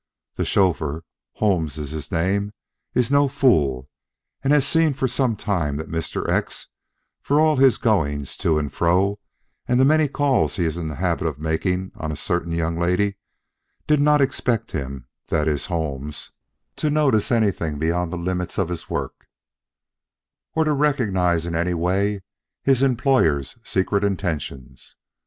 The chauffeur Holmes is his name is no fool, and has seen for some time that Mr. X, for all his goings to and fro and the many calls he is in the habit of making on a certain young lady, did not expect him that is, Holmes to notice anything beyond the limits of his work, or to recognize in any way his employer's secret intentions.